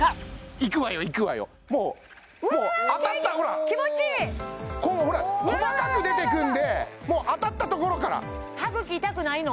いくわよいくわよもう当たったほらうわわわ気持ちいい細かく出てくるのでもう当たったところから歯茎痛くないの？